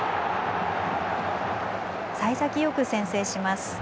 さい先よく先制します。